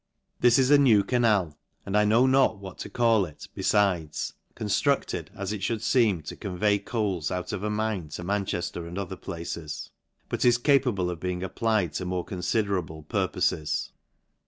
This is a new canal, and I know not what to call it befides, conftruc~Ted, as it mould feem, to convey coals out of a mine to Manchester and other places ; but is capable of being applied to more confiderable purpofes.